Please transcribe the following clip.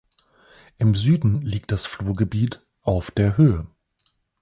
Im Süden liegt das Flurgebiet "Auf der Höhe".